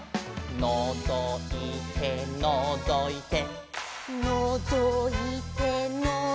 「のぞいてのぞいて」「のぞいてのぞいて」